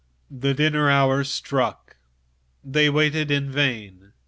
The dinner hour struck; they waited for her in vain.